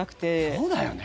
そうだよね。